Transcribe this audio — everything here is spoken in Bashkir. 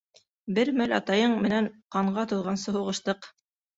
Бер мәл атайың менән ҡанға туҙғансы һуғыштыҡ.